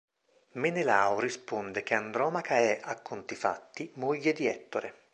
Menelao risponde che Andromaca è, a conti fatti, moglie di Ettore.